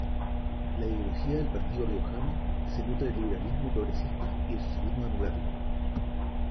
La ideología del Partido Riojano se nutre del liberalismo progresista y del socialismo democrático.